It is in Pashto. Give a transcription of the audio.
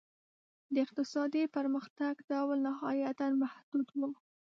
د اقتصادي پرمختګ ډول نهایتاً محدود و.